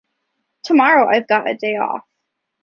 Tomorrow I’ve got a day off.